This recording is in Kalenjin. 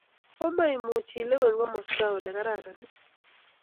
Komaimuch ilewen komasta ole kararan ii?